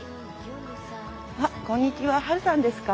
あっこんにちはハルさんですか？